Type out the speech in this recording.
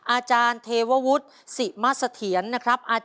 อาจารย์เทววุฒิสิมเสถียรนะครับ